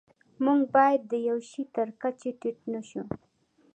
موږ باید د یوه شي تر کچې ټیټ نشو.